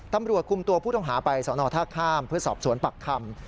ตำรวจคุมตัวผู้ต้องหาไปสอนอท่าข้ามเพื่อสอบสวนปักคำ